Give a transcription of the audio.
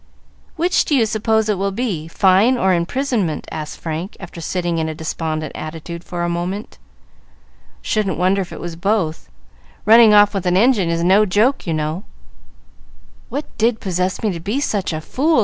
"Which do you suppose it will be, fine or imprisonment?" asked Frank, after sitting in a despondent attitude for a moment. "Shouldn't wonder if it was both. Running off with an engine is no joke, you know." "What did possess me to be such a fool?"